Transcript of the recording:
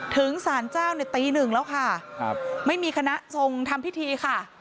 สารเจ้าในตีหนึ่งแล้วค่ะครับไม่มีคณะทรงทำพิธีค่ะ